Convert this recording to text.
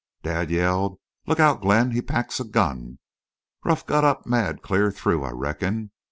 Dad yelled: 'Look out, Glenn. He packs a gun!'—Ruff got up mad clear through I reckon.